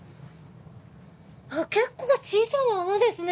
結構小さな穴ですね。